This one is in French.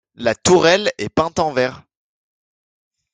La tourelle est peinte en vert.